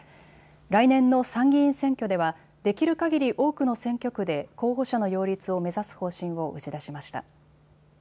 来年の参議院選挙ではできるかぎり多くの選挙区で候補者の擁立を目指す方針を打ち出しました。